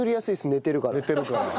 寝てるから。